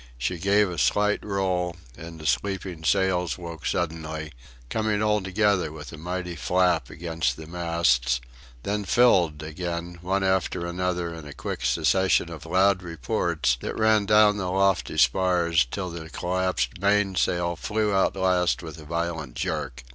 She gave a slight roll, and the sleeping sails woke suddenly, coming all together with a mighty flap against the masts, then filled again one after another in a quick succession of loud reports that ran down the lofty spars, till the collapsed mainsail flew out last with a violent jerk.